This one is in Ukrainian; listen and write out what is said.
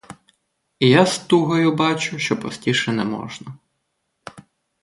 І я з тугою бачу, що простіше не можна.